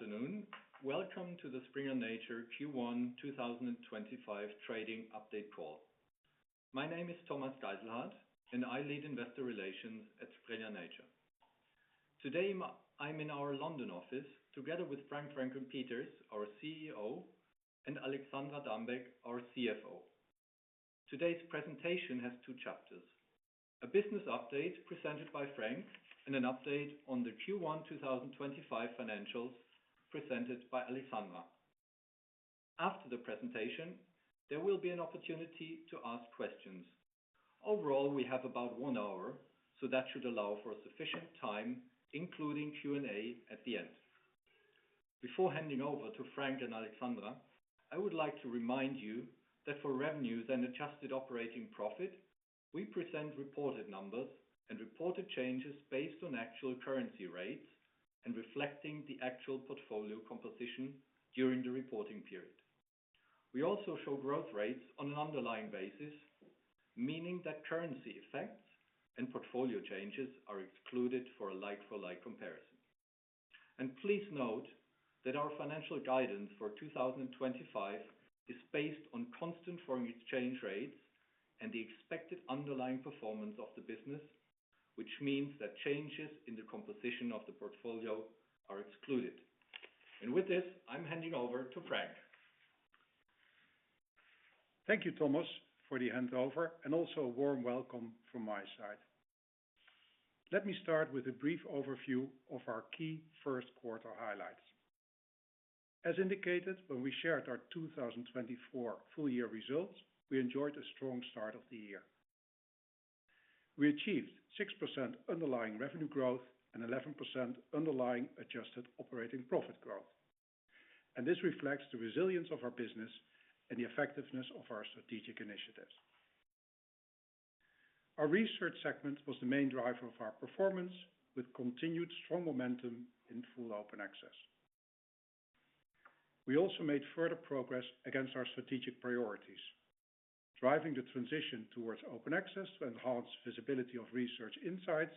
Good afternoon, welcome to the Springer Nature Q1 2025 trading update call. My name is Thomas Geisselhart, and I lead investor relations at Springer Nature. Today I'm in our London office together with Frank Peeters, our CEO, and Alexandra Dambeck, our CFO. Today's presentation has two chapters: a business update presented by Frank, and an update on the Q1 2025 financials presented by Alexandra. After the presentation, there will be an opportunity to ask questions. Overall, we have about one hour, so that should allow for sufficient time, including Q&A at the end. Before handing over to Frank and Alexandra, I would like to remind you that for revenues and adjusted operating profit, we present reported numbers and reported changes based on actual currency rates and reflecting the actual portfolio composition during the reporting period. We also show growth rates on an underlying basis, meaning that currency effects and portfolio changes are excluded for a like-for-like comparison. Please note that our financial guidance for 2025 is based on constant foreign exchange rates and the expected underlying performance of the business, which means that changes in the composition of the portfolio are excluded. With this, I'm handing over to Frank. Thank you, Thomas, for the handover, and also a warm welcome from my side. Let me start with a brief overview of our key first quarter highlights. As indicated when we shared our 2024 full-year results, we enjoyed a strong start of the year. We achieved 6% underlying revenue growth and 11% underlying adjusted operating profit growth, and this reflects the resilience of our business and the effectiveness of our strategic initiatives. Our research segment was the main driver of our performance, with continued strong momentum in full open access. We also made further progress against our strategic priorities, driving the transition towards open access to enhance visibility of research insights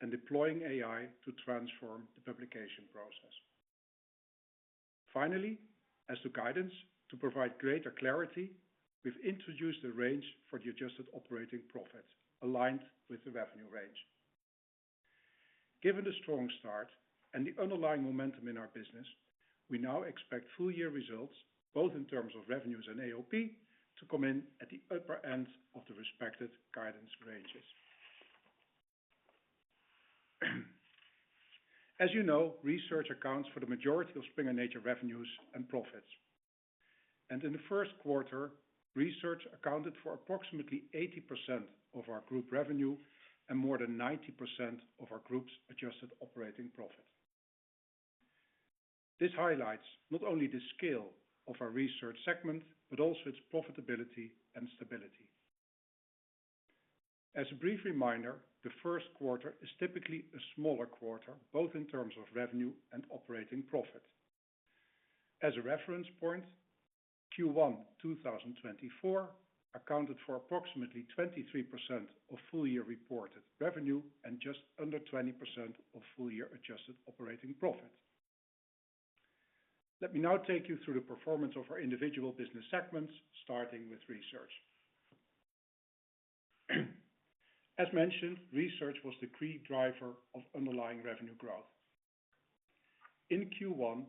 and deploying AI to transform the publication process. Finally, as to guidance to provide greater clarity, we have introduced a range for the adjusted operating profit aligned with the revenue range. Given the strong start and the underlying momentum in our business, we now expect full-year results, both in terms of revenues and AOP, to come in at the upper end of the respected guidance ranges. As you know, research accounts for the majority of Springer Nature revenues and profits, and in the first quarter, research accounted for approximately 80% of our group revenue and more than 90% of our group's adjusted operating profit. This highlights not only the scale of our research segment, but also its profitability and stability. As a brief reminder, the first quarter is typically a smaller quarter, both in terms of revenue and operating profit. As a reference point, Q1 2024 accounted for approximately 23% of full-year reported revenue and just under 20% of full-year adjusted operating profit. Let me now take you through the performance of our individual business segments, starting with research. As mentioned, research was the key driver of underlying revenue growth. In Q1,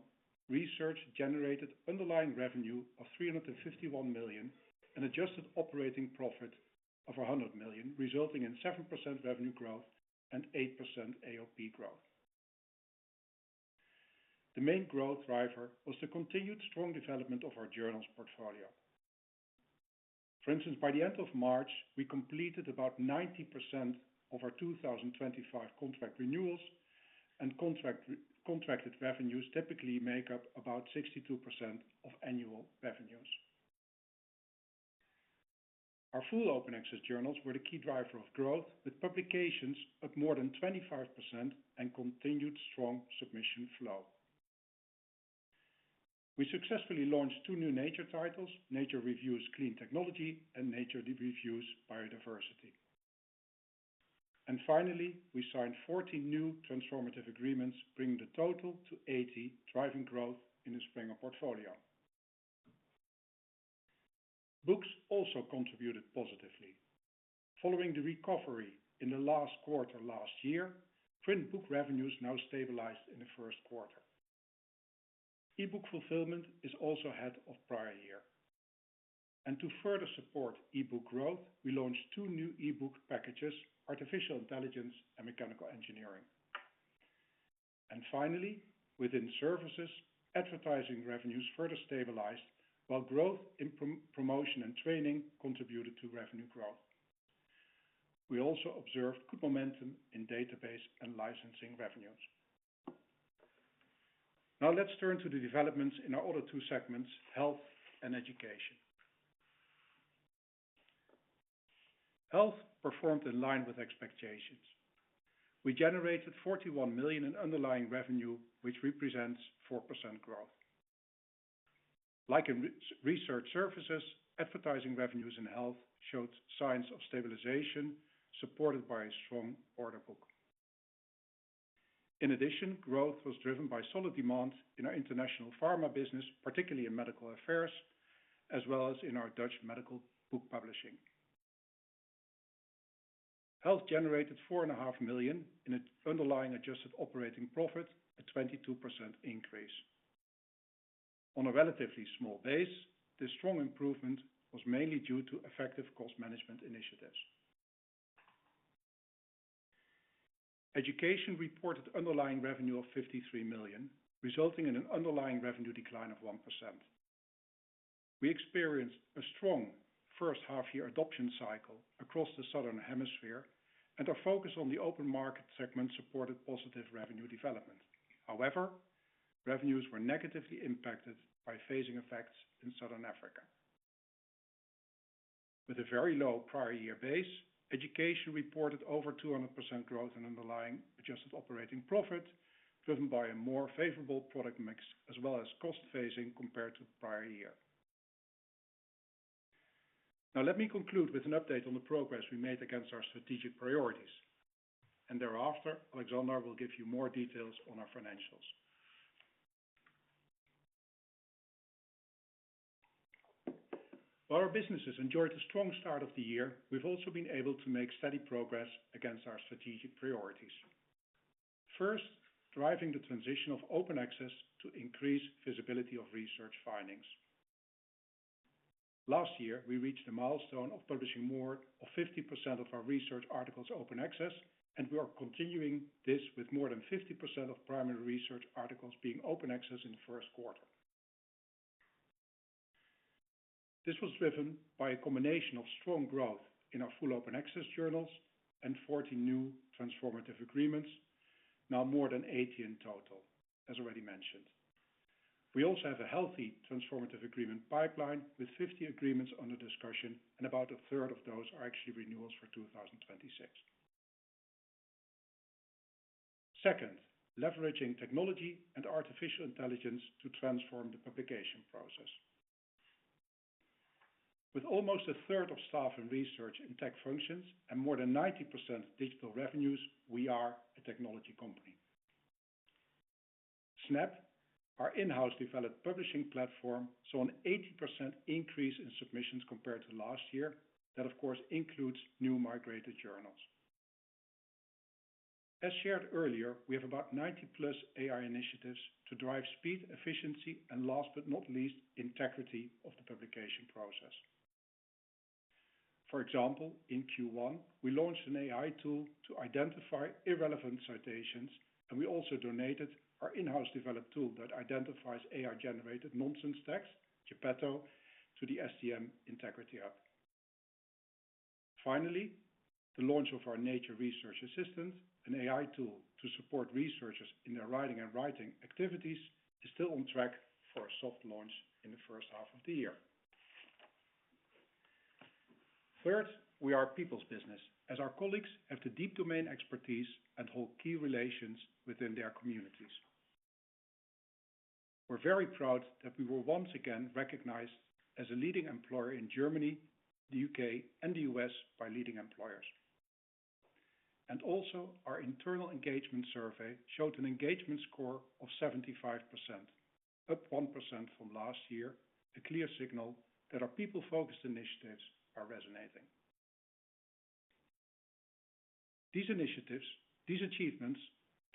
research generated underlying revenue of 351 million and adjusted operating profit of 100 million, resulting in 7% revenue growth and 8% AOP growth. The main growth driver was the continued strong development of our journals portfolio. For instance, by the end of March, we completed about 90% of our 2025 contract renewals, and contracted revenues typically make up about 62% of annual revenues. Our full open access journals were the key driver of growth, with publications at more than 25% and continued strong submission flow. We successfully launched two new Nature titles: Nature Reviews Clean Technology and Nature Reviews Biodiversity. Finally, we signed 14 new transformative agreements, bringing the total to 80 driving growth in the Springer Nature portfolio. Books also contributed positively. Following the recovery in the last quarter last year, print book revenues now stabilized in the first quarter. E-book fulfillment is also ahead of prior year. To further support e-book growth, we launched two new e-book packages: Artificial Intelligence and Mechanical Engineering. Finally, within services, advertising revenues further stabilized, while growth in promotion and training contributed to revenue growth. We also observed good momentum in database and licensing revenues. Now let's turn to the developments in our other two segments: health and education. Health performed in line with expectations. We generated 41 million in underlying revenue, which represents 4% growth. Like in research services, advertising revenues in health showed signs of stabilization, supported by a strong order book. In addition, growth was driven by solid demand in our international pharma business, particularly in medical affairs, as well as in our Dutch medical book publishing. Health generated 4.5 million in underlying adjusted operating profit, a 22% increase. On a relatively small base, this strong improvement was mainly due to effective cost management initiatives. Education reported underlying revenue of 53 million, resulting in an underlying revenue decline of 1%. We experienced a strong first half-year adoption cycle across the Southern Hemisphere, and our focus on the open market segment supported positive revenue development. However, revenues were negatively impacted by phasing effects in Southern Africa. With a very low prior year base, Education reported over 200% growth in underlying adjusted operating profit, driven by a more favorable product mix as well as cost phasing compared to the prior year. Now let me conclude with an update on the progress we made against our strategic priorities, and thereafter, Alexandra will give you more details on our financials. While our businesses enjoyed a strong start of the year, we've also been able to make steady progress against our strategic priorities. First, driving the transition of open access to increase visibility of research findings. Last year, we reached a milestone of publishing more than 50% of our research articles open access, and we are continuing this with more than 50% of primary research articles being open access in the first quarter. This was driven by a combination of strong growth in our full open access journals and 14 new transformative agreements, now more than 80 in total, as already mentioned. We also have a healthy transformative agreement pipeline with 50 agreements under discussion, and about a third of those are actually renewals for 2026. Second, leveraging technology and artificial intelligence to transform the publication process. With almost a third of staff and research in tech functions and more than 90% digital revenues, we are a technology company. Snap, our in-house developed publishing platform, saw an 80% increase in submissions compared to last year. That, of course, includes new migrated journals. As shared earlier, we have about 90 plus AI initiatives to drive speed, efficiency, and last but not least, integrity of the publication process. For example, in Q1, we launched an AI tool to identify irrelevant citations, and we also donated our in-house developed tool that identifies AI-generated nonsense text, Gepetto, to the STM integrity app. Finally, the launch of our Nature Research Assistant, an AI tool to support researchers in their reading and writing activities, is still on track for a soft launch in the first half of the year. Third, we are a people's business, as our colleagues have the deep domain expertise and hold key relations within their communities. We are very proud that we were once again recognized as a leading employer in Germany, the U.K., and the U.S. by Leading Employers. Also, our internal engagement survey showed an engagement score of 75%, up 1% from last year, a clear signal that our people-focused initiatives are resonating. These initiatives, these achievements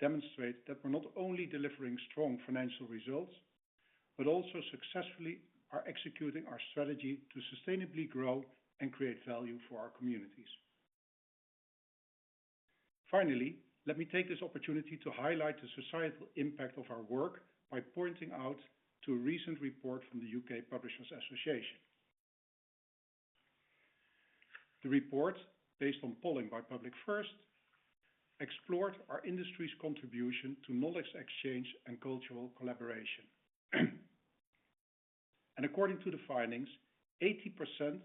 demonstrate that we are not only delivering strong financial results, but also successfully executing our strategy to sustainably grow and create value for our communities. Finally, let me take this opportunity to highlight the societal impact of our work by pointing out a recent report from the U.K. Publishers Association. The report, based on polling by Public First, explored our industry's contribution to knowledge exchange and cultural collaboration. According to the findings, 80%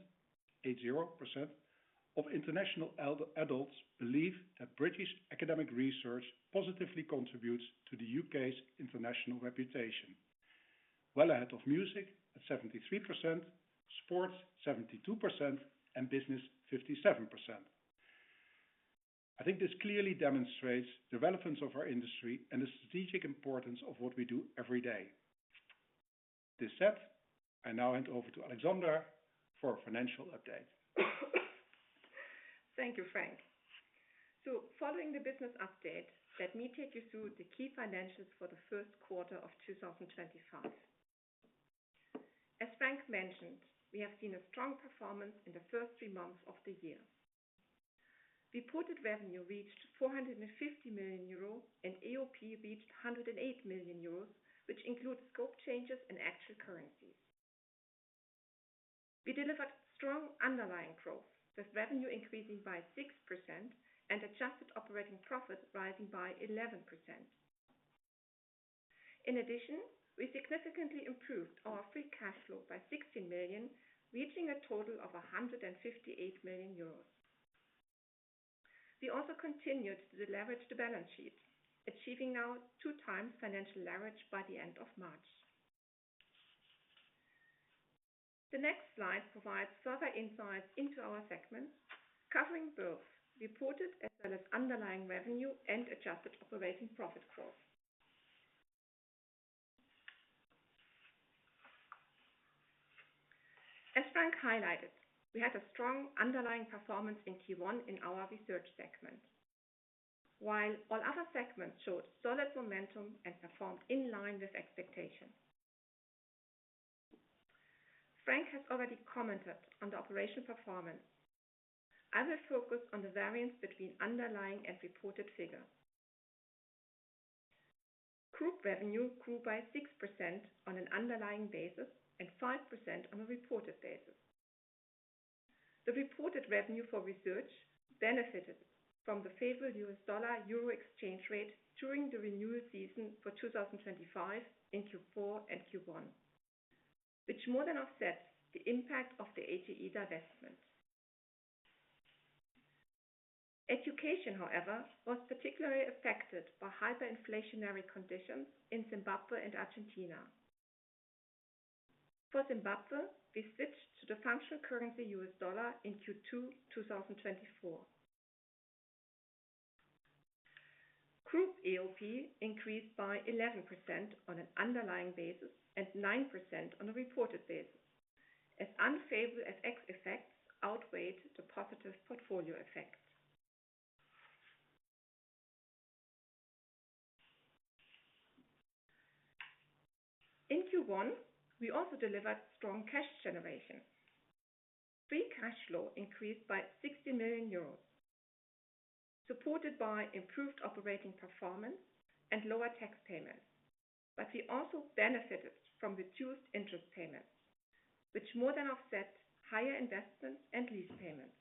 of international adults believe that British academic research positively contributes to the U.K.'s international reputation, well ahead of music at 73%, sports 72%, and business 57%. I think this clearly demonstrates the relevance of our industry and the strategic importance of what we do every day. With this said, I now hand over to Alexandra for a financial update. Thank you, Frank. Following the business update, let me take you through the key financials for the first quarter of 2025. As Frank mentioned, we have seen a strong performance in the first three months of the year. Reported revenue reached 450 million euros, and AOP reached 108 million euros, which includes scope changes in actual currencies. We delivered strong underlying growth, with revenue increasing by 6% and adjusted operating profit rising by 11%. In addition, we significantly improved our free cash flow by 16 million, reaching a total of 158 million euros. We also continued to leverage the balance sheet, achieving now two times financial leverage by the end of March. The next slide provides further insights into our segments, covering both reported as well as underlying revenue and adjusted operating profit growth. As Frank highlighted, we had a strong underlying performance in Q1 in our research segment, while all other segments showed solid momentum and performed in line with expectations. Frank has already commented on the operational performance. I will focus on the variance between underlying and reported figures. Group revenue grew by 6% on an underlying basis and 5% on a reported basis. The reported revenue for research benefited from the favorable $/euro exchange rate during the renewal season for 2025 in Q4 and Q1, which more than offsets the impact of the HEE divestment. Education, however, was particularly affected by hyperinflationary conditions in Zimbabwe and Argentina. For Zimbabwe, we switched to the functional currency $ in Q2 2024. Group AOP increased by 11% on an underlying basis and 9% on a reported basis, as unfavorable effects outweigh the positive portfolio effects. In Q1, we also delivered strong cash generation. Free cash flow increased by 60 million euros, supported by improved operating performance and lower tax payments. We also benefited from reduced interest payments, which more than offset higher investments and lease payments.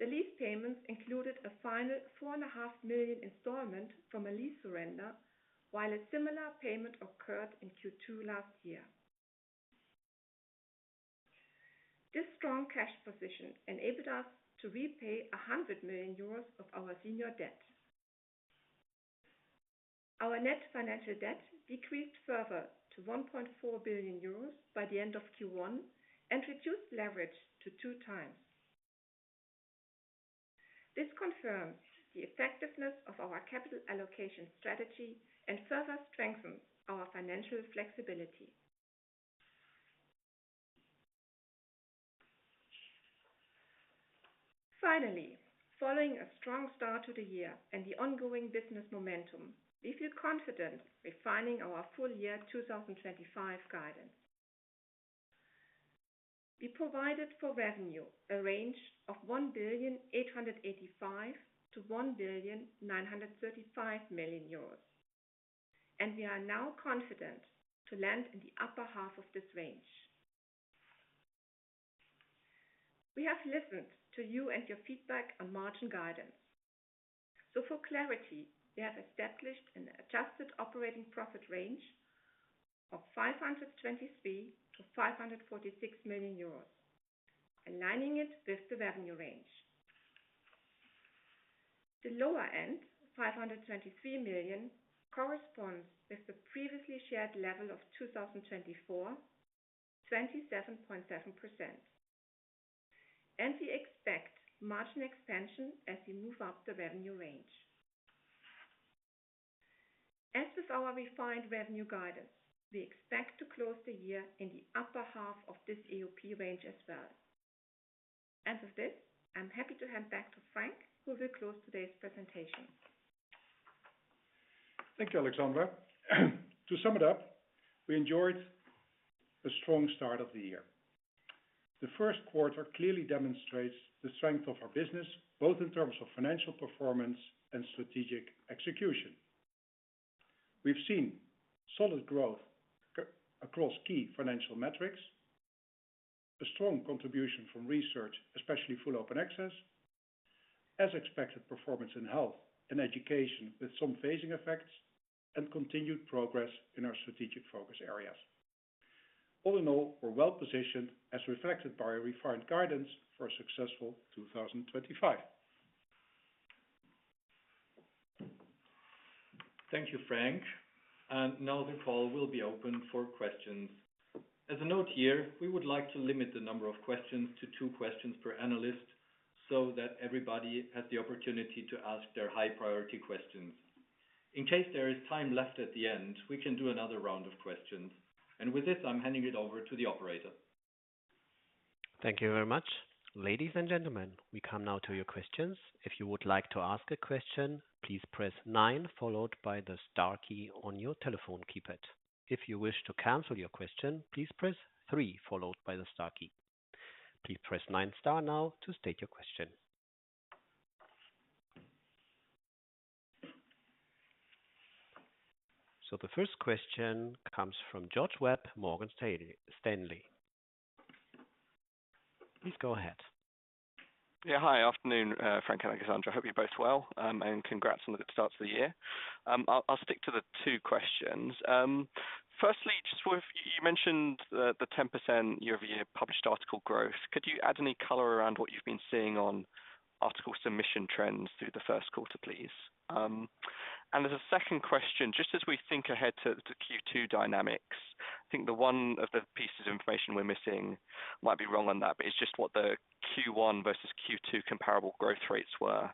The lease payments included a final 4.5 million installment from a lease surrender, while a similar payment occurred in Q2 last year. This strong cash position enabled us to repay 100 million euros of our senior debt. Our net financial debt decreased further to 1.4 billion euros by the end of Q1 and reduced leverage to two times. This confirms the effectiveness of our capital allocation strategy and further strengthens our financial flexibility. Finally, following a strong start to the year and the ongoing business momentum, we feel confident refining our full year 2025 guidance. We provided for revenue a range of 1.885 billion-1.935 billion euros, and we are now confident to land in the upper half of this range. We have listened to you and your feedback on margin guidance. For clarity, we have established an adjusted operating profit range of 523 million-546 million euros, aligning it with the revenue range. The lower end, 523 million, corresponds with the previously shared level of 2024, 27.7%. We expect margin expansion as we move up the revenue range. As with our refined revenue guidance, we expect to close the year in the upper half of this AOP range as well. With this, I'm happy to hand back to Frank, who will close today's presentation. Thank you, Alexandra. To sum it up, we enjoyed a strong start of the year. The first quarter clearly demonstrates the strength of our business, both in terms of financial performance and strategic execution. We've seen solid growth across key financial metrics, a strong contribution from research, especially full open access, as expected performance in health and education with some phasing effects, and continued progress in our strategic focus areas. All in all, we're well positioned, as reflected by our refined guidance for a successful 2025. Thank you, Frank. Now the call will be open for questions. As a note here, we would like to limit the number of questions to two questions per analyst so that everybody has the opportunity to ask their high-priority questions. In case there is time left at the end, we can do another round of questions. With this, I'm handing it over to the operator. Thank you very much. Ladies and gentlemen, we come now to your questions. If you would like to ask a question, please press nine followed by the star key on your telephone keypad. If you wish to cancel your question, please press three followed by the star key. Please pressnine star now to state your question. The first question comes from George Webb, Morgan Stanley. Please go ahead. Yeah, hi, afternoon, Frank and Alexandra. Hope you're both well and congrats on the good start to the year. I'll stick to the two questions. Firstly, just you mentioned the 10% year-over-year published article growth. Could you add any color around what you've been seeing on article submission trends through the first quarter, please? As a second question, just as we think ahead to Q2 dynamics, I think one of the pieces of information we're missing, might be wrong on that, but it's just what the Q1 versus Q2 comparable growth rates were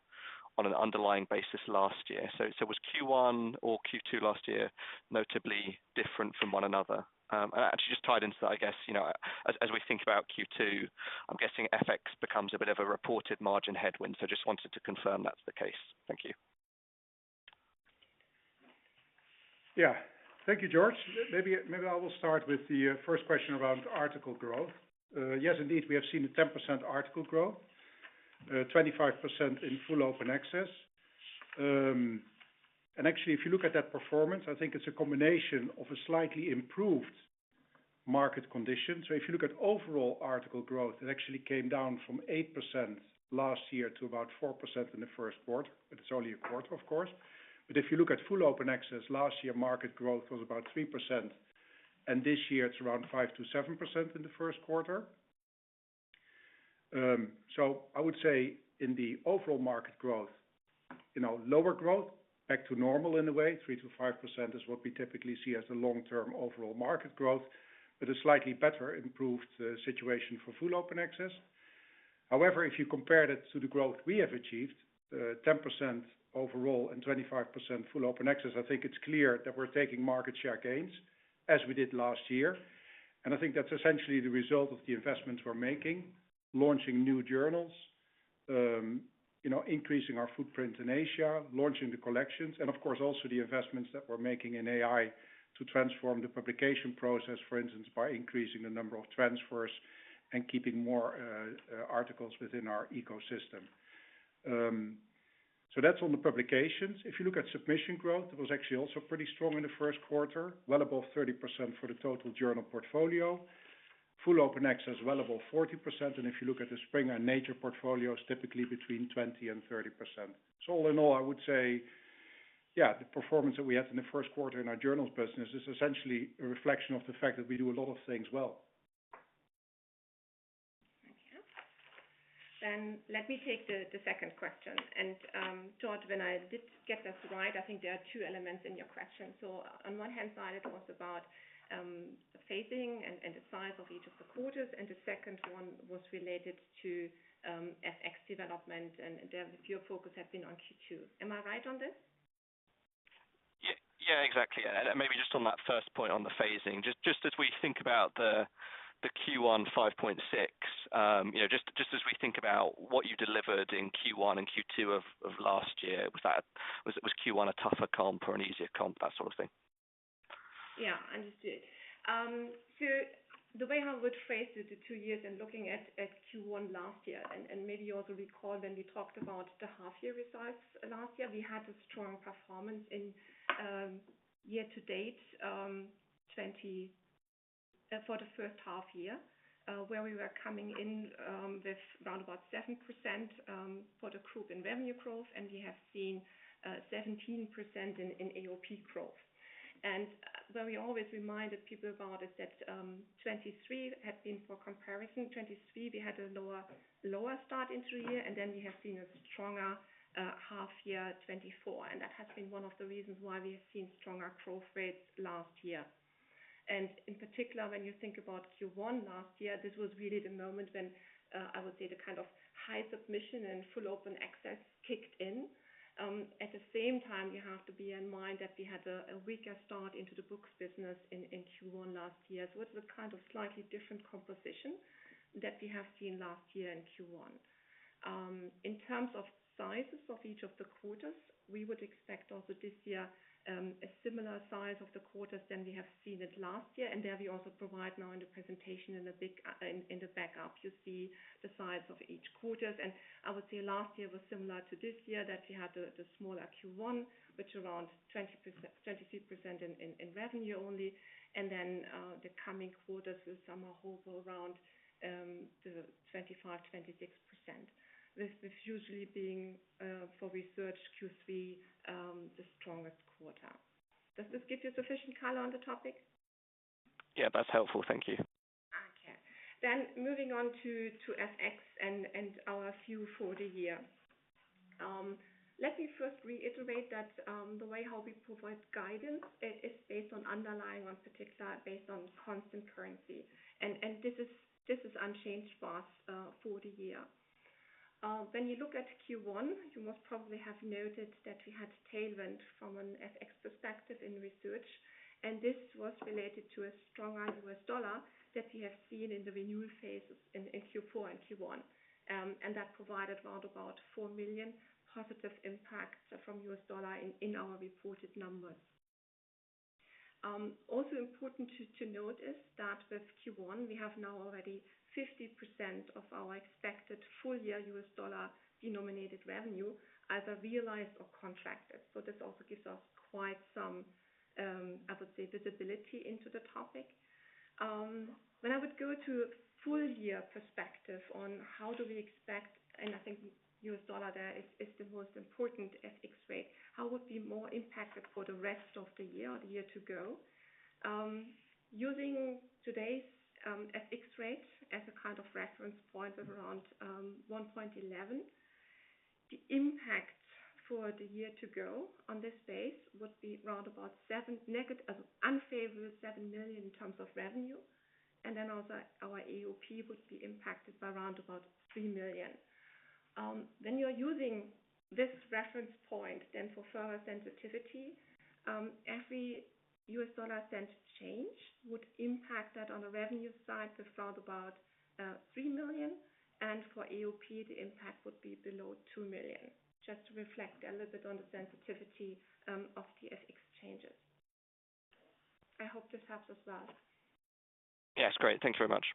on an underlying basis last year. Was Q1 or Q2 last year notably different from one another? Actually, just tied into that, I guess, as we think about Q2, I'm guessing FX becomes a bit of a reported margin headwind. I just wanted to confirm that's the case. Thank you. Yeah, thank you, George. Maybe I will start with the first question around article growth. Yes, indeed, we have seen a 10% article growth, 25% in full open access. Actually, if you look at that performance, I think it is a combination of a slightly improved market condition. If you look at overall article growth, it actually came down from 8% last year to about 4% in the first quarter. It is only a quarter, of course. If you look at full open access, last year market growth was about 3%, and this year it is around 5%-7% in the first quarter. I would say in the overall market growth, lower growth, back to normal in a way, 3%-5% is what we typically see as the long-term overall market growth, but a slightly better improved situation for full open access. However, if you compare that to the growth we have achieved, 10% overall and 25% full open access, I think it's clear that we're taking market share gains as we did last year. I think that's essentially the result of the investments we're making, launching new journals, increasing our footprint in Asia, launching the collections, and of course, also the investments that we're making in AI to transform the publication process, for instance, by increasing the number of transfers and keeping more articles within our ecosystem. That's on the publications. If you look at submission growth, it was actually also pretty strong in the first quarter, well above 30% for the total journal portfolio. Full open access, well above 40%. If you look at the Springer and Nature portfolios, typically between 20% and 30%. All in all, I would say, yeah, the performance that we had in the first quarter in our journals business is essentially a reflection of the fact that we do a lot of things well. Thank you. Let me take the second question. George, when I did get that right, I think there are two elements in your question. On one hand side, it was about phasing and the size of each of the quarters, and the second one was related to FX development, and your focus had been on Q2. Am I right on this? Yeah, exactly. Maybe just on that first point on the phasing, just as we think about the Q1 5.6, just as we think about what you delivered in Q1 and Q2 of last year, was Q1 a tougher comp or an easier comp, that sort of thing? Yeah, understood. The way I would phase the two years and looking at Q1 last year, and maybe you also recall when we talked about the half-year results last year, we had a strong performance in year-to-date for the first half year, where we were coming in with around about 7% for the group in revenue growth, and we have seen 17% in AOP growth. Where we always reminded people about is that 2023 had been for comparison. In 2023, we had a lower start into the year, and then we have seen a stronger half-year, 2024. That has been one of the reasons why we have seen stronger growth rates last year. In particular, when you think about Q1 last year, this was really the moment when I would say the kind of high submission and full open access kicked in. At the same time, you have to be in mind that we had a weaker start into the books business in Q1 last year. It is a kind of slightly different composition that we have seen last year in Q1. In terms of sizes of each of the quarters, we would expect also this year a similar size of the quarters than we have seen it last year. There we also provide now in the presentation in the backup, you see the size of each quarters. I would say last year was similar to this year that we had the smaller Q1, which is around 23% in revenue only. The coming quarters will somehow hover around the 25%-26%, with usually being for research Q3 the strongest quarter. Does this give you sufficient color on the topic? Yeah, that's helpful. Thank you. Okay. Moving on to FX and our view for the year. Let me first reiterate that the way we provide guidance, it is based on underlying, in particular, based on constant currency. This is unchanged for the year. When you look at Q1, you most probably have noted that we had tailwind from an FX perspective in research. This was related to a stronger US dollar that we have seen in the renewal phases in Q4 and Q1. That provided around $4 million positive impacts from US dollar in our reported numbers. Also important to note is that with Q1, we have now already 50% of our expected full-year US dollar denominated revenue either realized or contracted. This also gives us quite some, I would say, visibility into the topic. When I would go to full-year perspective on how do we expect, and I think US dollar there is the most important FX rate, how would be more impacted for the rest of the year or the year to go? Using today's FX rate as a kind of reference point of around 1.11, the impact for the year to go on this base would be round about unfavorable 7 million in terms of revenue. Also, our AOP would be impacted by round about 3 million. When you're using this reference point, then for further sensitivity, every US dollar cent change would impact that on the revenue side with round about 3 million. For AOP, the impact would be below 2 million, just to reflect a little bit on the sensitivity of the FX changes. I hope this helps as well. Yes, great. Thank you very much.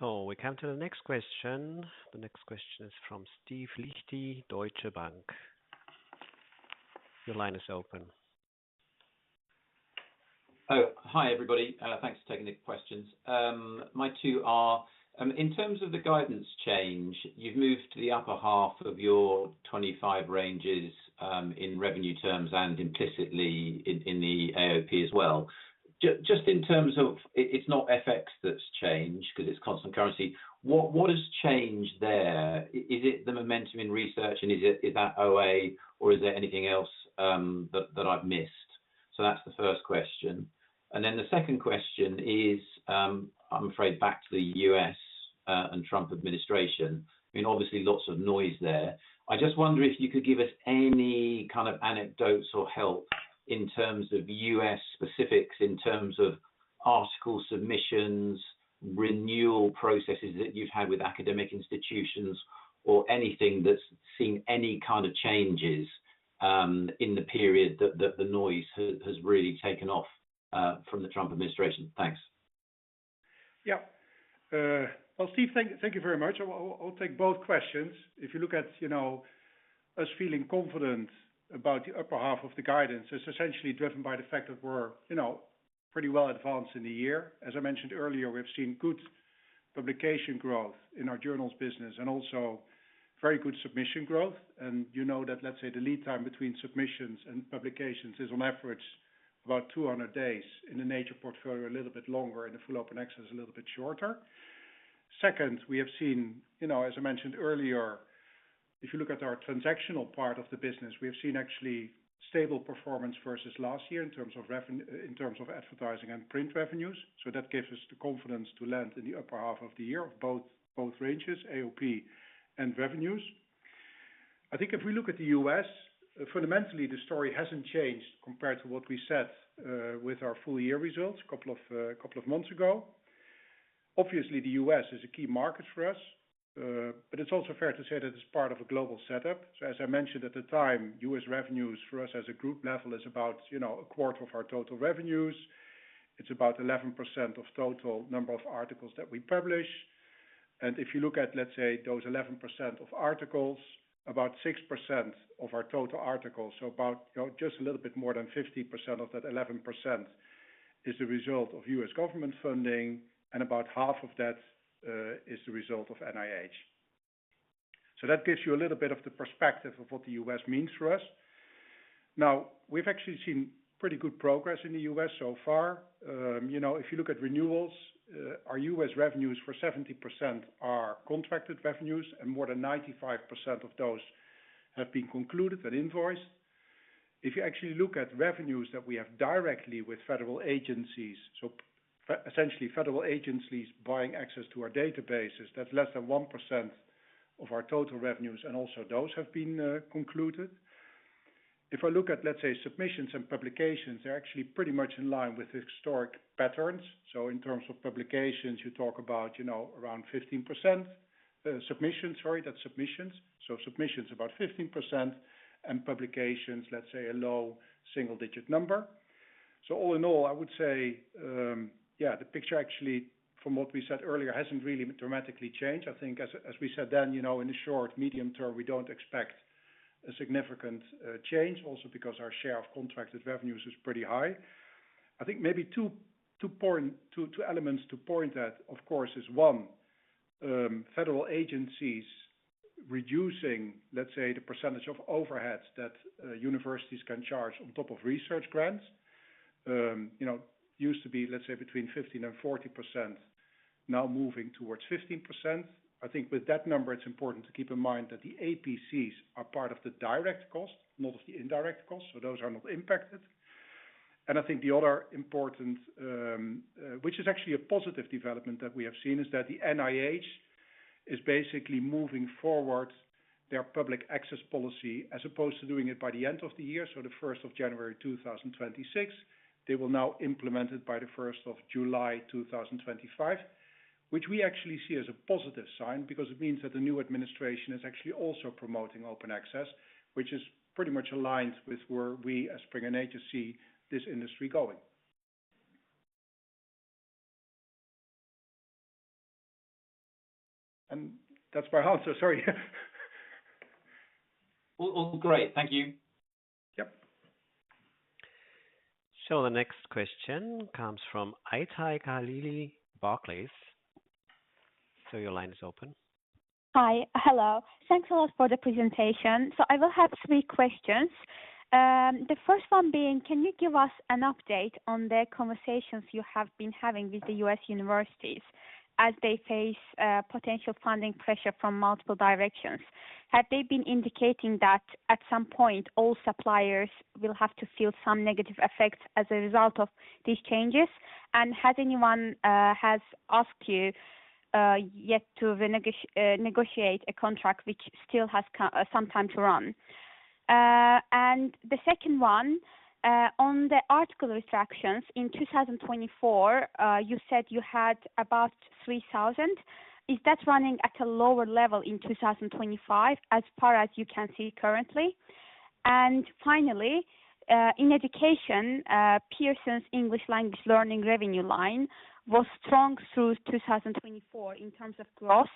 We come to the next question. The next question is from Steve Lichti, Deutsche Bank. Your line is open. Hi, everybody. Thanks for taking the questions. My two are. In terms of the guidance change, you've moved to the upper half of your 2025 ranges in revenue terms and implicitly in the AOP as well. Just in terms of it's not FX that's changed because it's constant currency. What has changed there? Is it the momentum in research, and is that OA, or is there anything else that I've missed? That is the first question. The second question is, I'm afraid, back to the US and Trump administration. I mean, obviously, lots of noise there. I just wonder if you could give us any kind of anecdotes or help in terms of US specifics, in terms of article submissions, renewal processes that you've had with academic institutions, or anything that's seen any kind of changes in the period that the noise has really taken off from the Trump administration. Thanks. Yeah. Steve, thank you very much. I'll take both questions. If you look at us feeling confident about the upper half of the guidance, it's essentially driven by the fact that we're pretty well advanced in the year. As I mentioned earlier, we've seen good publication growth in our journals business and also very good submission growth. And you know that, let's say, the lead time between submissions and publications is on average about 200 days in the Nature portfolio, a little bit longer in the full open access, a little bit shorter. Second, we have seen, as I mentioned earlier, if you look at our transactional part of the business, we have seen actually stable performance versus last year in terms of advertising and print revenues. That gives us the confidence to land in the upper half of the year of both ranges, AOP and revenues. I think if we look at the US, fundamentally, the story hasn't changed compared to what we said with our full-year results a couple of months ago. Obviously, the US is a key market for us, but it's also fair to say that it's part of a global setup. As I mentioned at the time, US revenues for us at a group level is about a quarter of our total revenues. It's about 11% of the total number of articles that we publish. If you look at, let's say, those 11% of articles, about 6% of our total articles, so just a little bit more than 50% of that 11%, is the result of US government funding, and about half of that is the result of NIH. That gives you a little bit of the perspective of what the US means for us. Now, we've actually seen pretty good progress in the US so far. If you look at renewals, our US revenues for 70% are contracted revenues, and more than 95% of those have been concluded and invoiced. If you actually look at revenues that we have directly with federal agencies, so essentially federal agencies buying access to our databases, that's less than 1% of our total revenues, and also those have been concluded. If I look at, let's say, submissions and publications, they're actually pretty much in line with historic patterns. In terms of publications, you talk about around 15% submissions, sorry, that's submissions. Submissions about 15% and publications, let's say, a low single-digit number. All in all, I would say, yeah, the picture actually, from what we said earlier, hasn't really dramatically changed. I think, as we said then, in the short, medium term, we do not expect a significant change, also because our share of contracted revenues is pretty high. I think maybe two elements to point at, of course, is one, federal agencies reducing, let's say, the percentage of overheads that universities can charge on top of research grants. Used to be, let's say, between 15% and 40%, now moving towards 15%. I think with that number, it is important to keep in mind that the APCs are part of the direct cost, not of the indirect cost, so those are not impacted. I think the other important, which is actually a positive development that we have seen, is that the NIH is basically moving forward their public access policy as opposed to doing it by the end of the year. The 1st of January 2026, they will now implement it by the 1st of July 2025, which we actually see as a positive sign because it means that the new administration is actually also promoting open access, which is pretty much aligned with where we as Springer Nature and agency this industry going. That's my answer. Sorry. All great. Thank you. Yep. The next question comes from Aitai Kalilee, Barclays. Your line is open. Hi. Hello. Thanks a lot for the presentation. I will have three questions. The first one being, can you give us an update on the conversations you have been having with the US universities as they face potential funding pressure from multiple directions? Have they been indicating that at some point, all suppliers will have to feel some negative effects as a result of these changes? Has anyone asked you yet to negotiate a contract which still has some time to run? The second one, on the article retractions in 2024, you said you had about 3,000. Is that running at a lower level in 2025 as far as you can see currently? Finally, in education, Pearson's English language learning revenue line was strong through 2024 in terms of growth,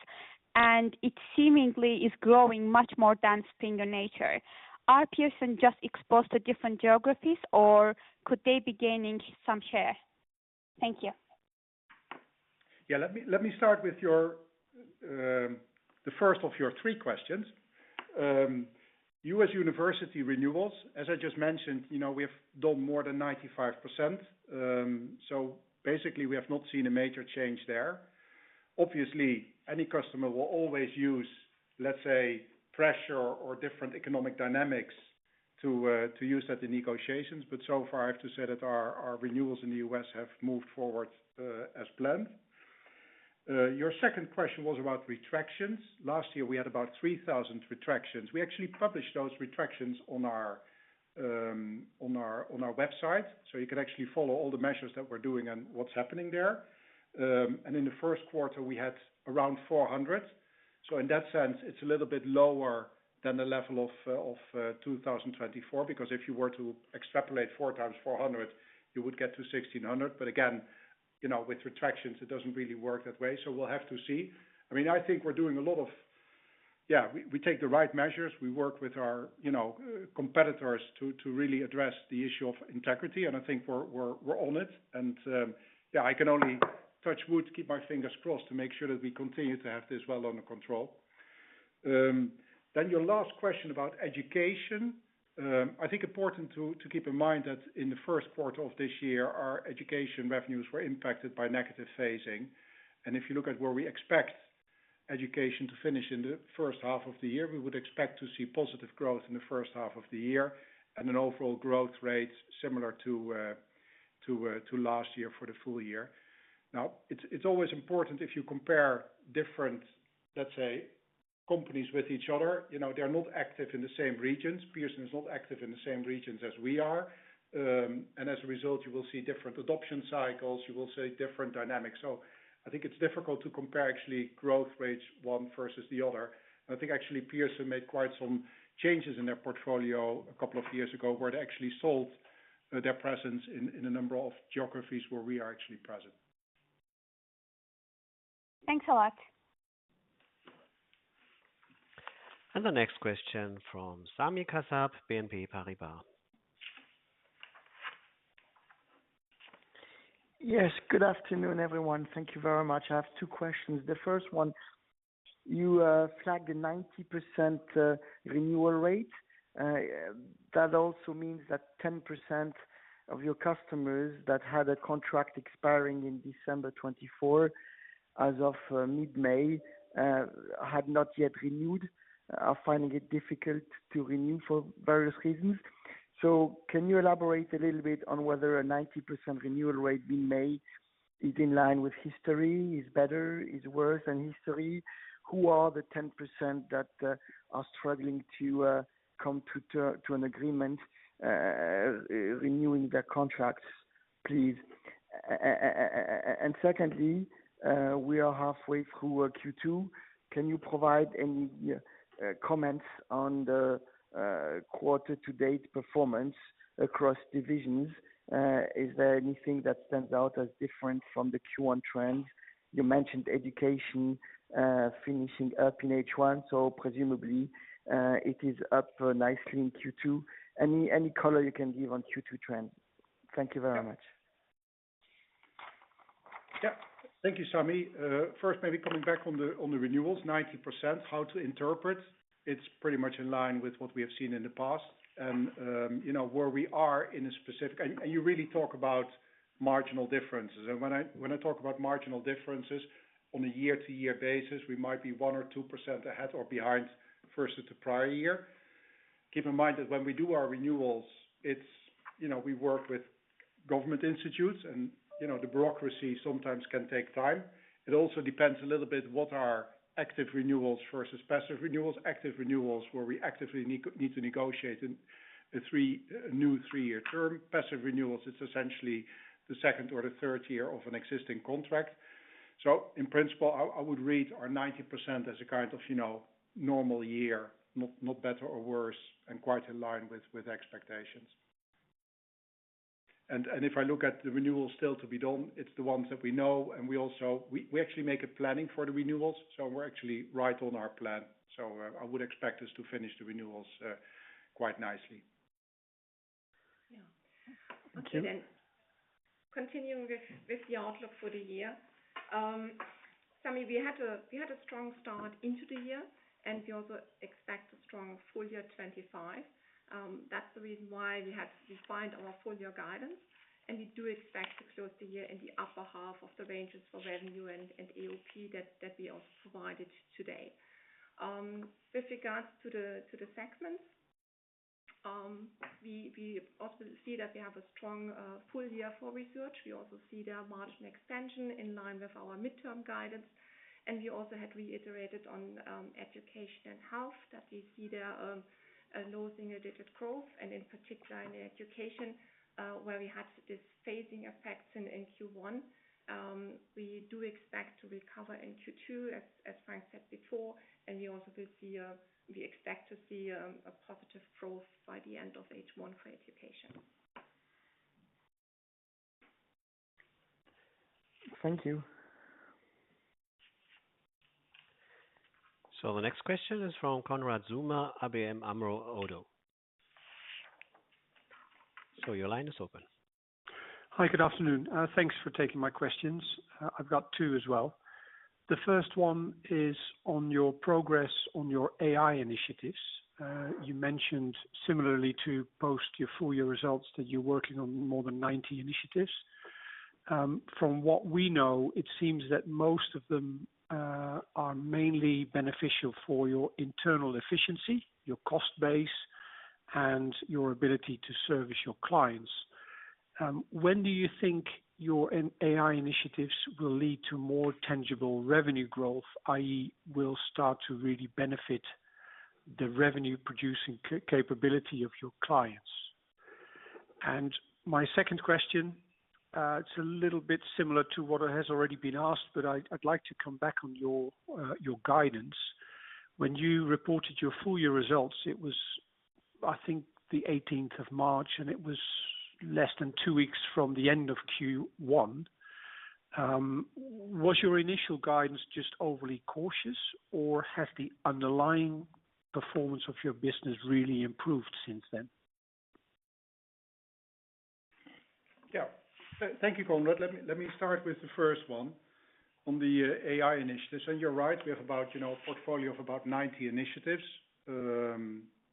and it seemingly is growing much more than Springer Nature. Are Pearson just exposed to different geographies, or could they be gaining some share? Thank you. Yeah, let me start with the first of your three questions. U.S. university renewals, as I just mentioned, we have done more than 95%. Basically, we have not seen a major change there. Obviously, any customer will always use, let's say, pressure or different economic dynamics to use that in negotiations. So far, I have to say that our renewals in the U.S. have moved forward as planned. Your second question was about retractions. Last year, we had about 3,000 retractions. We actually published those retractions on our website, so you could actually follow all the measures that we're doing and what's happening there. In the first quarter, we had around 400. In that sense, it's a little bit lower than the level of 2024 because if you were to extrapolate four times 400, you would get to 1,600. Again, with retractions, it does not really work that way. We will have to see. I mean, I think we are doing a lot of, yeah, we take the right measures. We work with our competitors to really address the issue of integrity. I think we are on it. Yeah, I can only touch wood, keep my fingers crossed to make sure that we continue to have this well under control. Your last question about education, I think it is important to keep in mind that in the first quarter of this year, our education revenues were impacted by negative phasing. If you look at where we expect education to finish in the first half of the year, we would expect to see positive growth in the first half of the year and an overall growth rate similar to last year for the full year. Now, it's always important if you compare different, let's say, companies with each other, they're not active in the same regions. Pearson is not active in the same regions as we are. As a result, you will see different adoption cycles. You will see different dynamics. I think it's difficult to compare actually growth rates one versus the other. I think actually Pearson made quite some changes in their portfolio a couple of years ago where they actually sold their presence in a number of geographies where we are actually present. Thanks a lot. The next question from Samy Kassab, BNP Paribas. Yes, good afternoon, everyone. Thank you very much. I have two questions. The first one, you flagged the 90% renewal rate. That also means that 10% of your customers that had a contract expiring in December 2024 as of mid-May had not yet renewed, are finding it difficult to renew for various reasons. Can you elaborate a little bit on whether a 90% renewal rate mid-May is in line with history, is better, is worse than history? Who are the 10% that are struggling to come to an agreement renewing their contracts, please? Secondly, we are halfway through Q2. Can you provide any comments on the quarter-to-date performance across divisions? Is there anything that stands out as different from the Q1 trends? You mentioned education finishing up in H1, so presumably it is up nicely in Q2. Any color you can give on Q2 trends? Thank you very much. Yeah. Thank you, Samy. First, maybe coming back on the renewals, 90%, how to interpret, it's pretty much in line with what we have seen in the past. Where we are in a specific, and you really talk about marginal differences. When I talk about marginal differences on a year-to-year basis, we might be 1% or 2% ahead or behind versus the prior year. Keep in mind that when we do our renewals, we work with government institutes, and the bureaucracy sometimes can take time. It also depends a little bit what are active renewals versus passive renewals. Active renewals where we actively need to negotiate a new three-year term. Passive renewals, it's essentially the second or the third year of an existing contract. In principle, I would rate our 90% as a kind of normal year, not better or worse, and quite in line with expectations. If I look at the renewals still to be done, it's the ones that we know, and we actually make a planning for the renewals. We're actually right on our plan. I would expect us to finish the renewals quite nicely. Yeah. Thank you. Continuing with the outlook for the year, Samy, we had a strong start into the year, and we also expect a strong full year 2025. That's the reason why we find our full year guidance. We do expect to close the year in the upper half of the ranges for revenue and AOP that we also provided today. With regards to the segments, we also see that we have a strong full year for research. We also see the margin expansion in line with our midterm guidance. We also had reiterated on education and health that we see the low single-digit growth, and in particular in education, where we had these phasing effects in Q1. We do expect to recover in Q2, as Frank said before, and we also will see we expect to see a positive growth by the end of H1 for education. Thank you. The next question is from Konrad Zuma, ABN AMRO. Your line is open. Hi, good afternoon. Thanks for taking my questions. I've got two as well. The first one is on your progress on your AI initiatives. You mentioned, similarly to post your full year results, that you're working on more than 90 initiatives. From what we know, it seems that most of them are mainly beneficial for your internal efficiency, your cost base, and your ability to service your clients. When do you think your AI initiatives will lead to more tangible revenue growth, i.e., will start to really benefit the revenue-producing capability of your clients? And my second question, it's a little bit similar to what has already been asked, but I'd like to come back on your guidance. When you reported your full year results, it was, I think, the 18th of March, and it was less than two weeks from the end of Q1. Was your initial guidance just overly cautious, or has the underlying performance of your business really improved since then? Yeah. Thank you, Konrad. Let me start with the first one on the AI initiatives. You're right, we have a portfolio of about 90 initiatives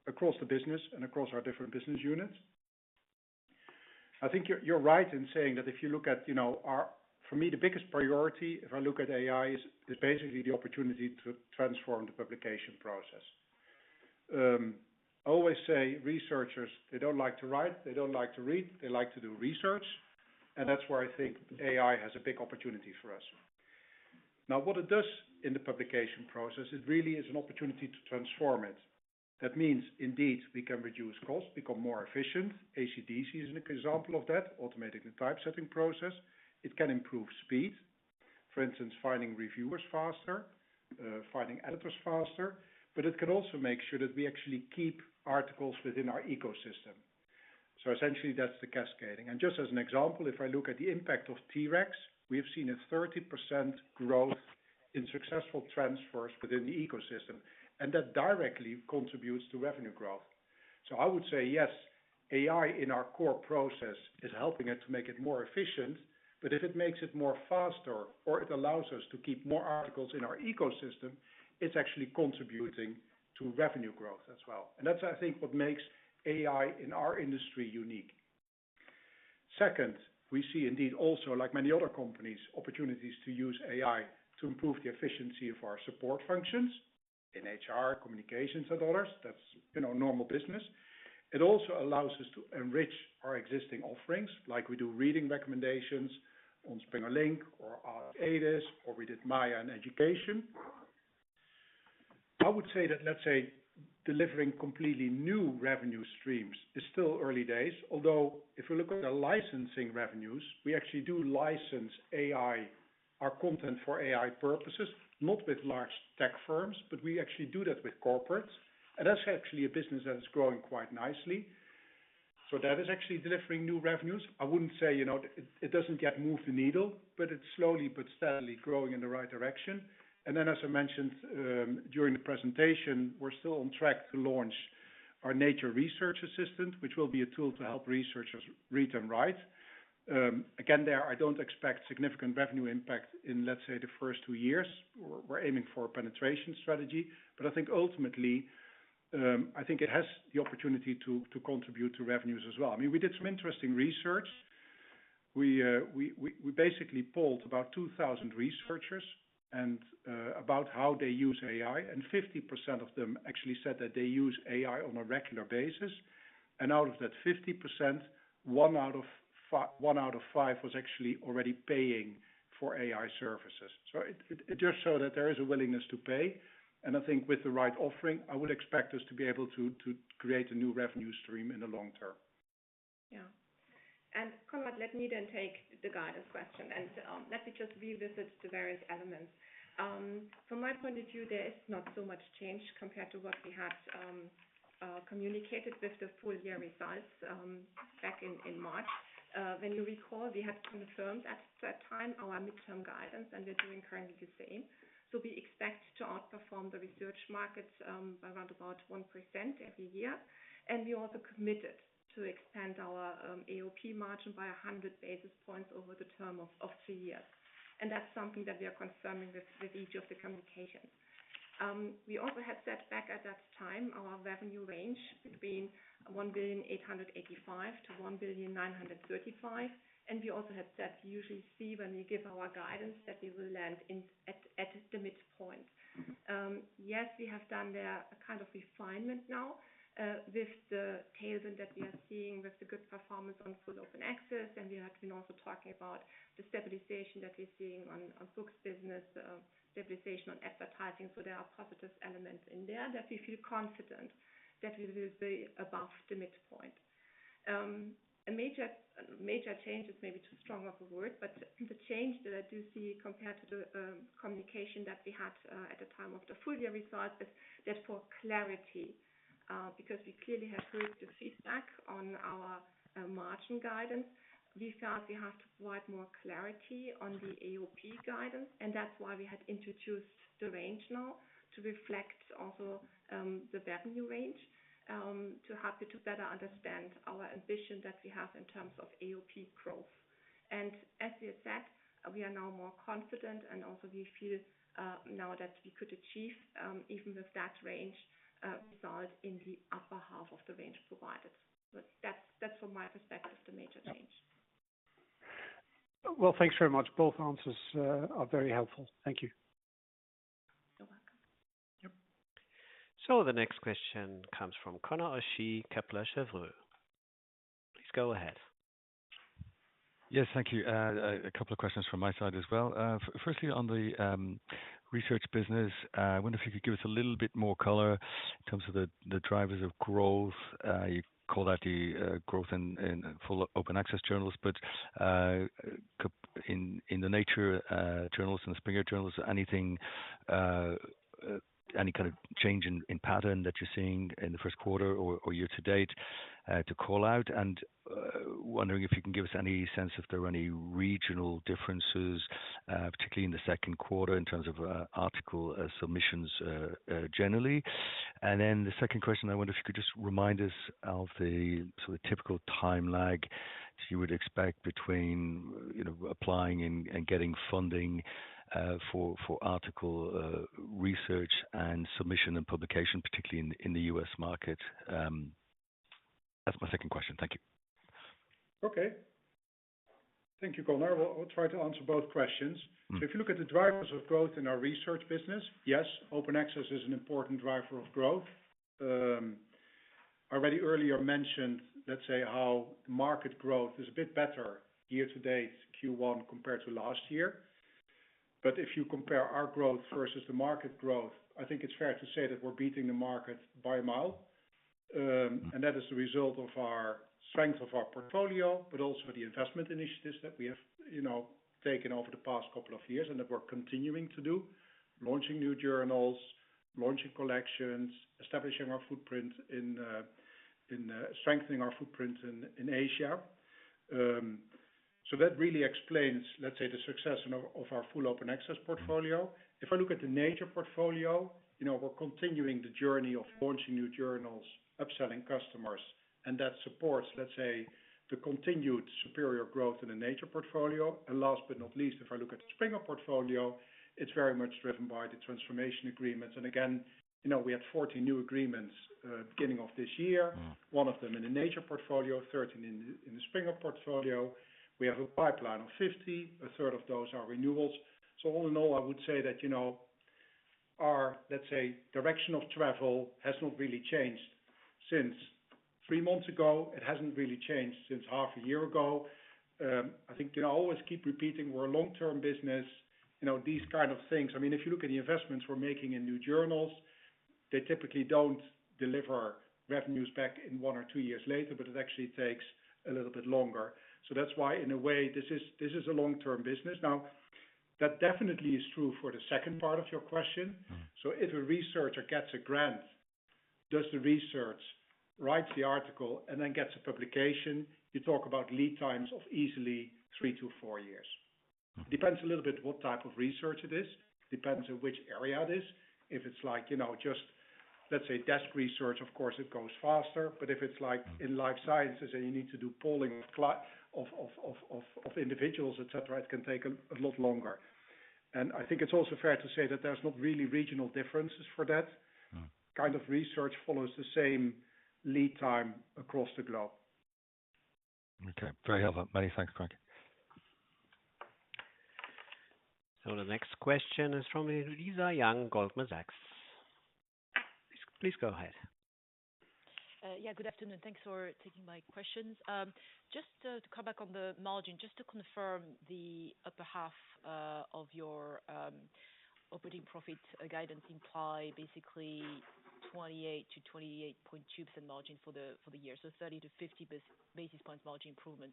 across the business and across our different business units. I think you're right in saying that if you look at, for me, the biggest priority, if I look at AI, is basically the opportunity to transform the publication process. I always say researchers, they don't like to write, they don't like to read, they like to do research. That's where I think AI has a big opportunity for us. Now, what it does in the publication process, it really is an opportunity to transform it. That means, indeed, we can reduce costs, become more efficient. ACDC is an example of that, automated type-setting process. It can improve speed, for instance, finding reviewers faster, finding editors faster. It can also make sure that we actually keep articles within our ecosystem. Essentially, that's the cascading. Just as an example, if I look at the impact of T-Rex, we have seen a 30% growth in successful transfers within the ecosystem. That directly contributes to revenue growth. I would say, yes, AI in our core process is helping to make it more efficient. If it makes it faster, or it allows us to keep more articles in our ecosystem, it's actually contributing to revenue growth as well. That's, I think, what makes AI in our industry unique. Second, we see indeed also, like many other companies, opportunities to use AI to improve the efficiency of our support functions in HR, communications, and others. That's normal business. It also allows us to enrich our existing offerings, like we do reading recommendations on Springer Link or ADAS, or we did Maya in education. I would say that, let's say, delivering completely new revenue streams is still early days. Although if we look at our licensing revenues, we actually do license our content for AI purposes, not with large tech firms, but we actually do that with corporates. And that's actually a business that is growing quite nicely. So that is actually delivering new revenues. I wouldn't say it doesn't yet move the needle, but it's slowly but steadily growing in the right direction. Then, as I mentioned during the presentation, we're still on track to launch our Nature Research Assistant, which will be a tool to help researchers read and write. Again, there, I don't expect significant revenue impact in, let's say, the first two years. We're aiming for a penetration strategy. I think ultimately, I think it has the opportunity to contribute to revenues as well. I mean, we did some interesting research. We basically polled about 2,000 researchers about how they use AI. 50% of them actually said that they use AI on a regular basis. Out of that 50%, one out of five was actually already paying for AI services. It just showed that there is a willingness to pay. I think with the right offering, I would expect us to be able to create a new revenue stream in the long term. Yeah. Konrad, let me then take the guidance question. Let me just revisit the various elements. From my point of view, there is not so much change compared to what we had communicated with the full year results back in March. When you recall, we had confirmed at that time our midterm guidance, and we are doing currently the same. We expect to outperform the research markets by around about 1% every year. We also committed to expand our AOP margin by 100 basis points over the term of three years. That is something that we are confirming with each of the communications. We also had set back at that time our revenue range between 1,885 billion -1,935 billion. We also had said we usually see when we give our guidance that we will land at the midpoint. Yes, we have done their kind of refinement now with the tailwind that we are seeing with the good performance on full open access. We have been also talking about the stabilization that we're seeing on books business, stabilization on advertising. There are positive elements in there that we feel confident that we will be above the midpoint. A major change is maybe too strong of a word, but the change that I do see compared to the communication that we had at the time of the full year result is that for clarity, because we clearly had heard the feedback on our margin guidance, we felt we have to provide more clarity on the AOP guidance. That is why we had introduced the range now to reflect also the revenue range to help you to better understand our ambition that we have in terms of AOP growth. As we have said, we are now more confident, and also we feel now that we could achieve even with that range result in the upper half of the range provided. That is from my perspective, the major change. Thanks very much. Both answers are very helpful. Thank you.. Yep. The next question comes from Conrad Ashiyi, Kepler Cheuvreux. Please go ahead. Yes, thank you. A couple of questions from my side as well. Firstly, on the research business, I wonder if you could give us a little bit more color in terms of the drivers of growth. You call that the growth in full open access journals, but in the Nature journals and the Springer journals, any kind of change in pattern that you're seeing in the first quarter or year-to-date to call out? I wonder if you can give us any sense if there are any regional differences, particularly in the second quarter in terms of article submissions generally. The second question, I wonder if you could just remind us of the sort of typical time lag you would expect between applying and getting funding for article research and submission and publication, particularly in the US market. That's my second question. Thank you. Okay. Thank you, Konrad. I'll try to answer both questions. If you look at the drivers of growth in our research business, yes, open access is an important driver of growth. I already earlier mentioned, let's say, how market growth is a bit better year-to-date Q1 compared to last year. If you compare our growth versus the market growth, I think it's fair to say that we're beating the market by a mile. That is the result of the strength of our portfolio, but also the investment initiatives that we have taken over the past couple of years and that we're continuing to do, launching new journals, launching collections, establishing our footprint and strengthening our footprint in Asia. That really explains, let's say, the success of our full open access portfolio. If I look at the Nature portfolio, we're continuing the journey of launching new journals, upselling customers, and that supports, let's say, the continued superior growth in the Nature portfolio. Last but not least, if I look at the Springer portfolio, it's very much driven by the transformation agreements. Again, we had 14 new agreements beginning of this year, one of them in the Nature portfolio, 13 in the Springer portfolio. We have a pipeline of 50, a third of those are renewals. All in all, I would say that our, let's say, direction of travel has not really changed since three months ago. It hasn't really changed since half a year ago. I think I always keep repeating we're a long-term business, these kind of things. I mean, if you look at the investments we're making in new journals, they typically don't deliver revenues back in one or two years later, but it actually takes a little bit longer. That's why, in a way, this is a long-term business. Now, that definitely is true for the second part of your question. If a researcher gets a grant, does the research, writes the article, and then gets a publication, you talk about lead times of easily three to four years. It depends a little bit what type of research it is. It depends on which area it is. If it's like just, let's say, desk research, of course, it goes faster. If it's like in life sciences and you need to do polling of individuals, etc., it can take a lot longer. I think it's also fair to say that there's not really regional differences for that kind of research follows the same lead time across the globe. Okay. Very helpful. Many thanks, Frank. The next question is from Lisa Yang, Goldman Sachs. Please go ahead. Yeah, good afternoon. Thanks for taking my questions. Just to come back on the margin, just to confirm the upper half of your operating profit guidance imply basically 28%-28.2% margin for the year. So 30-50 basis points margin improvement.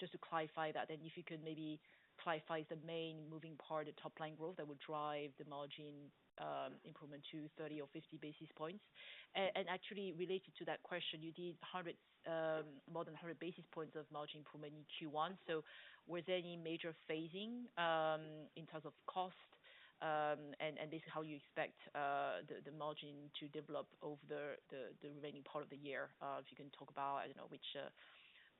Just to clarify that, and if you could maybe clarify is the main moving part, the top line growth that would drive the margin improvement to 30 or 50 basis points. Actually, related to that question, you did more than 100 basis points of margin improvement in Q1. Was there any major phasing in terms of cost and basically how you expect the margin to develop over the remaining part of the year? If you can talk about, I do not know, which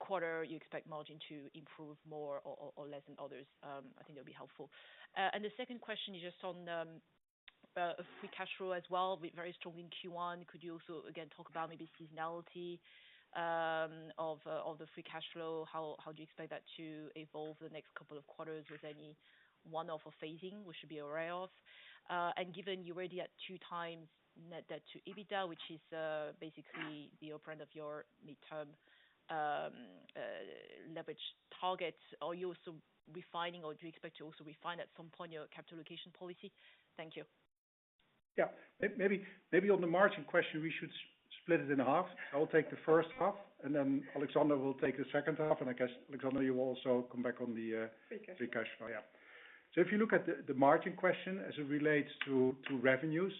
quarter you expect margin to improve more or less than others, I think that would be helpful. The second question is just on free cash flow as well, very strong in Q1. Could you also again talk about maybe seasonality of the free cash flow? How do you expect that to evolve the next couple of quarters? Was there any one-off or phasing which we should be aware of? Given you already had two times net debt to EBITDA, which is basically the upper end of your midterm leverage target, are you also refining or do you expect to also refine at some point your capital allocation policy? Thank you. Yeah. Maybe on the margin question, we should split it in half. I'll take the first half, and then Alexandra will take the second half. And I guess, Alexandra, you will also come back on the free cash flow. Yeah. If you look at the margin question as it relates to revenues,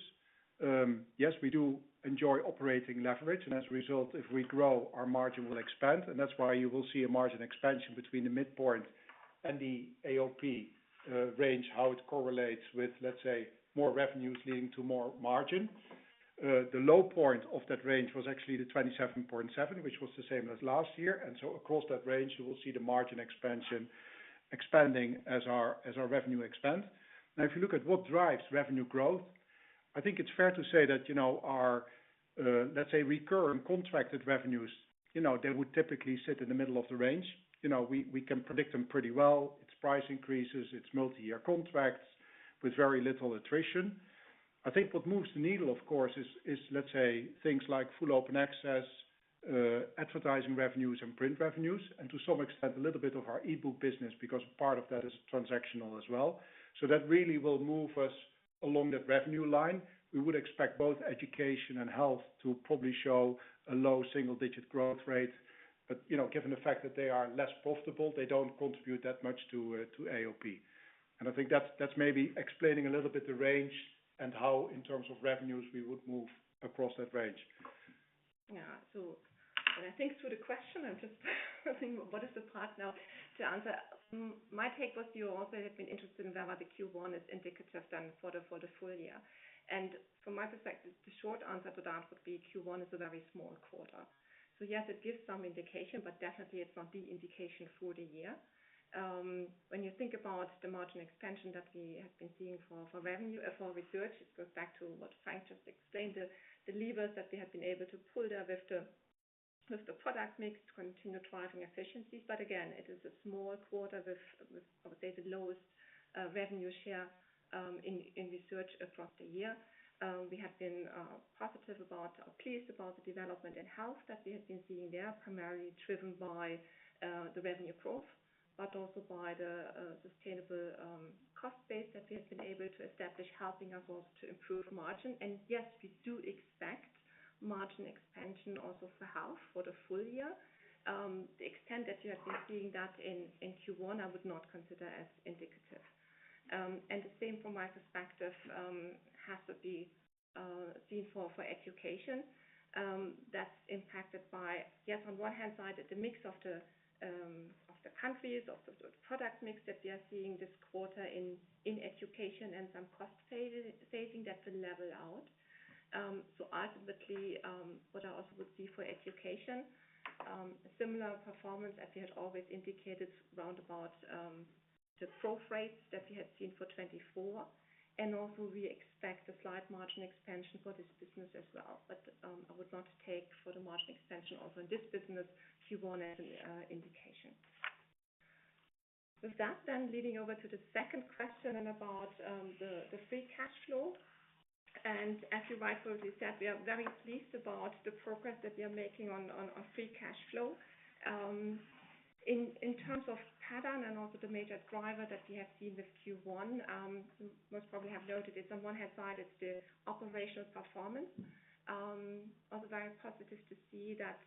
yes, we do enjoy operating leverage. As a result, if we grow, our margin will expand. That is why you will see a margin expansion between the midpoint and the AOP range, how it correlates with, let's say, more revenues leading to more margin. The low point of that range was actually the 27.7, which was the same as last year. Across that range, you will see the margin expansion expanding as our revenue expands. Now, if you look at what drives revenue growth, I think it's fair to say that our, let's say, recurring contracted revenues, they would typically sit in the middle of the range. We can predict them pretty well. It's price increases, it's multi-year contracts with very little attrition. I think what moves the needle, of course, is, let's say, things like full open access, advertising revenues, and print revenues, and to some extent, a little bit of our e-book business, because part of that is transactional as well. That really will move us along that revenue line. We would expect both education and health to probably show a low single-digit growth rate. Given the fact that they are less profitable, they don't contribute that much to AOP. I think that's maybe explaining a little bit the range and how, in terms of revenues, we would move across that range. Yeah. I think through the question, I'm just wondering what is the part now to answer. My take was you also had been interested in whether the Q1 is indicative then for the full year. From my perspective, the short answer to that would be Q1 is a very small quarter. Yes, it gives some indication, but definitely it's not the indication for the year. When you think about the margin expansion that we have been seeing for research, it goes back to what Frank just explained, the levers that we have been able to pull there with the product mix to continue driving efficiencies. Again, it is a small quarter with, I would say, the lowest revenue share in research across the year. We had been positive about or pleased about the development in health that we had been seeing there, primarily driven by the revenue growth, but also by the sustainable cost base that we had been able to establish, helping us also to improve margin. Yes, we do expect margin expansion also for health for the full year. The extent that you have been seeing that in Q1, I would not consider as indicative. The same from my perspective has to be seen for education. That is impacted by, yes, on one hand side, the mix of the countries, of the product mix that we are seeing this quarter in education and some cost saving that will level out. Ultimately, what I also would see for education, similar performance as we had always indicated, round about the growth rates that we had seen for 2024. We expect a slight margin expansion for this business as well. I would not take the margin expansion also in this business Q1 as an indication. With that, leading over to the second question about the free cash flow. As you rightfully said, we are very pleased about the progress that we are making on free cash flow. In terms of pattern and also the major driver that we have seen with Q1, most probably have noted it is on one hand side, it is the operational performance. Also very positive to see that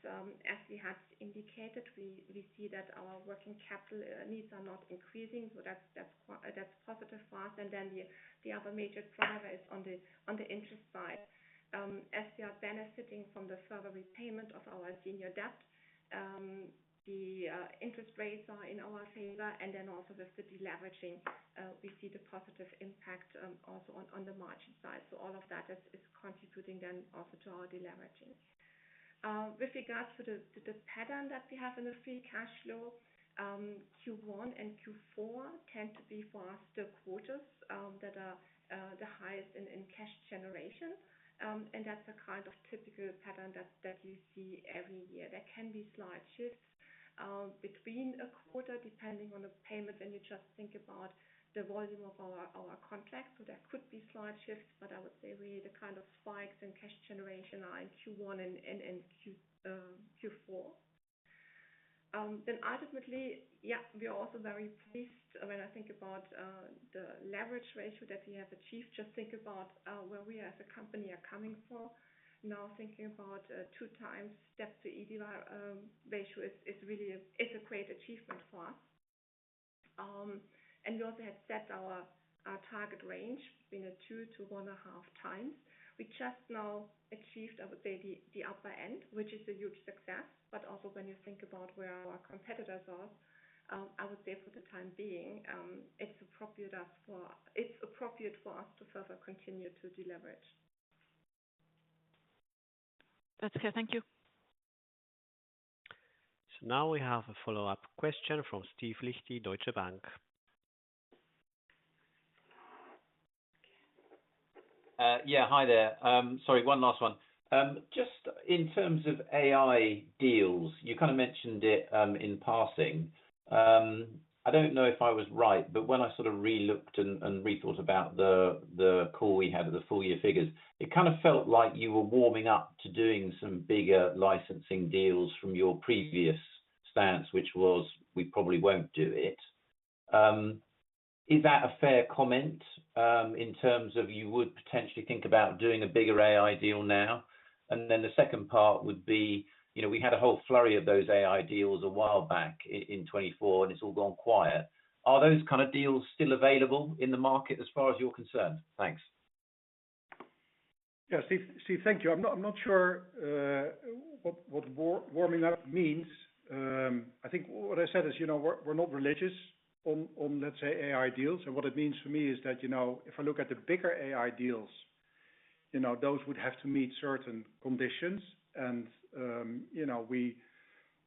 as we had indicated, we see that our working capital needs are not increasing. That is positive for us. The other major driver is on the interest side. As we are benefiting from the further repayment of our senior debt, the interest rates are in our favor. Then also with the deleveraging, we see the positive impact also on the margin side. All of that is contributing then also to our deleveraging. With regards to the pattern that we have in the free cash flow, Q1 and Q4 tend to be faster quarters that are the highest in cash generation. That is a kind of typical pattern that you see every year. There can be slight shifts between a quarter depending on the payment. When you just think about the volume of our contracts, there could be slight shifts, but I would say really the kind of spikes in cash generation are in Q1 and Q4. Ultimately, yeah, we are also very pleased when I think about the leverage ratio that we have achieved. Just think about where we as a company are coming from. Now thinking about a two-times debt to EBITDA ratio is really a great achievement for us. We also had set our target range between a two to one and a half times. We just now achieved, I would say, the upper end, which is a huge success. Also, when you think about where our competitors are, I would say for the time being, it is appropriate for us to further continue to deleverage. That's good. Thank you. Now we have a follow-up question from Steve Lichti, Deutsche Bank. Yeah, hi there. Sorry, one last one. Just in terms of AI deals, you kind of mentioned it in passing. I do not know if I was right, but when I sort of relooked and rethought about the call we had at the full year figures, it kind of felt like you were warming up to doing some bigger licensing deals from your previous stance, which was, "We probably will not do it." Is that a fair comment in terms of you would potentially think about doing a bigger AI deal now? The second part would be we had a whole flurry of those AI deals a while back in 2024, and it has all gone quiet. Are those kind of deals still available in the market as far as you are concerned? Thanks. Yeah, Steve, thank you. I'm not sure what warming up means. I think what I said is we're not religious on, let's say, AI deals. What it means for me is that if I look at the bigger AI deals, those would have to meet certain conditions.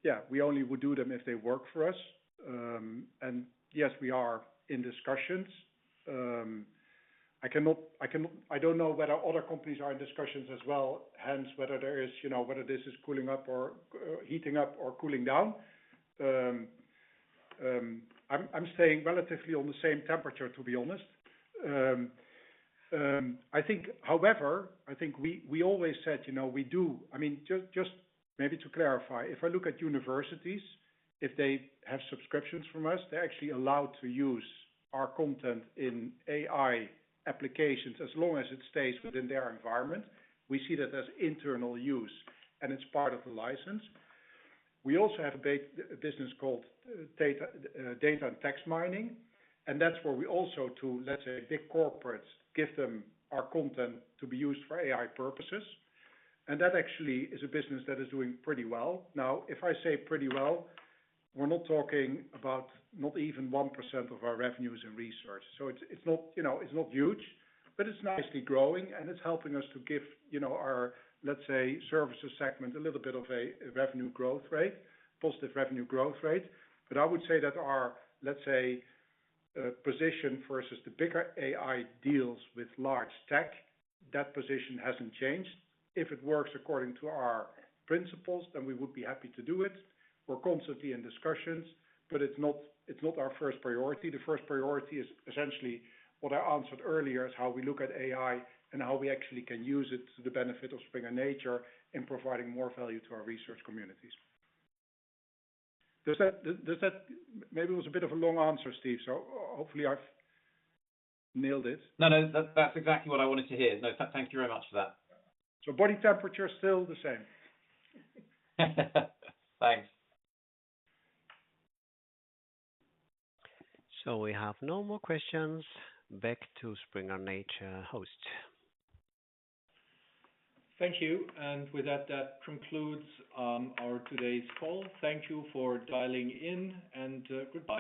Yeah, we only would do them if they work for us. Yes, we are in discussions. I don't know whether other companies are in discussions as well, hence whether this is cooling up or heating up or cooling down. I'm staying relatively on the same temperature, to be honest. I think, however, I think we always said we do. I mean, just maybe to clarify, if I look at universities, if they have subscriptions from us, they're actually allowed to use our content in AI applications as long as it stays within their environment. We see that as internal use, and it is part of the license. We also have a business called data and text mining. That is where we also, to, let's say, big corporates, give them our content to be used for AI purposes. That actually is a business that is doing pretty well. Now, if I say pretty well, we are not talking about not even 1% of our revenues in research. It is not huge, but it is nicely growing, and it is helping us to give our, let's say, services segment a little bit of a revenue growth rate, positive revenue growth rate. I would say that our, let's say, position versus the bigger AI deals with large tech, that position has not changed. If it works according to our principles, then we would be happy to do it. We are constantly in discussions, but it is not our first priority. The first priority is essentially what I answered earlier is how we look at AI and how we actually can use it to the benefit of Springer Nature in providing more value to our research communities. Maybe it was a bit of a long answer, Steve, so hopefully I've nailed it. No, no, that's exactly what I wanted to hear. No, thank you very much for that. Body temperature is still the same. Thanks. We have no more questions. Back to Springer Nature host. Thank you. With that, that concludes our today's call. Thank you for dialing in and goodbye.